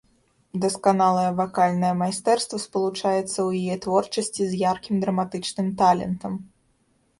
Дасканалае вакальнае майстэрства спалучаецца ў яе творчасці з яркім драматычным талентам.